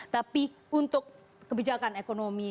tapi untuk kebijakan ekonomi